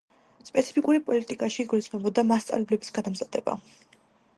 სპეციფიკური პოლიტიკაში იგულისხმებოდა მასწავლებლების გადამზადება.